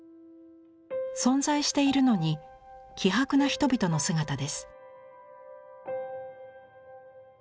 存在しているのに希薄な人々の姿です。